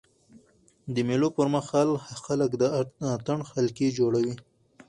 د مېلو پر مهال خلک د اتڼ حلقې جوړوي.